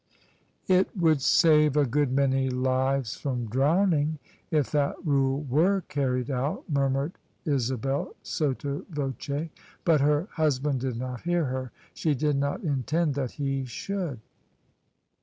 THE SUBJECTION It would save a good many lives from drowning if that rule were carried out," murmured Isabel sotto voce: but her husband did not hear her. She did not intend that he should.